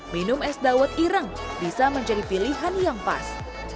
minum es dawet ireng bisa menjadi pilihan yang pas